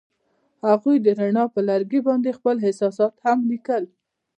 هغوی د رڼا پر لرګي باندې خپل احساسات هم لیکل.